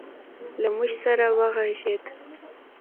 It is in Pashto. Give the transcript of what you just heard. له موږ سره وغږېد